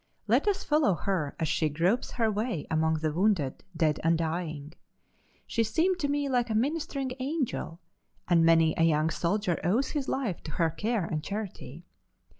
Let us follow her as she gropes her way among the wounded, dead and dying. She seemed to me like a ministering angel, and many a young soldier owes his life to her care and charity.